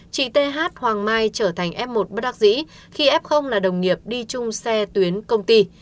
chị th hoàng mai trở thành f một bất đắc dĩ khi f là đồng nghiệp đi chung xe tuyến công ty